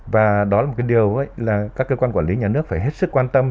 và đó là một cái điều là các cơ quan quản lý nhà nước phải hết sức quan tâm